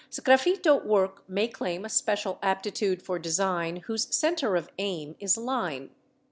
Sgraffito work may claim a special aptitude for design whose centre of aim is line.